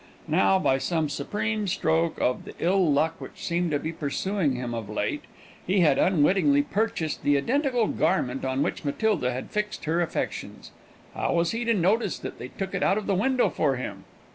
Now, by some supreme stroke of the ill luck which seemed to be pursuing him of late, he had unwittingly purchased the identical garment on which Matilda had fixed her affections! How was he to notice that they took it out of the window for him?